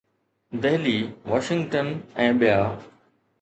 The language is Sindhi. دهلي، واشنگٽن ۽ ”ٻيا“.